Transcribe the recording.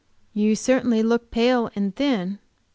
"You certainly look pale and thin."